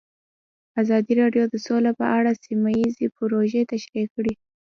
ازادي راډیو د سوله په اړه سیمه ییزې پروژې تشریح کړې.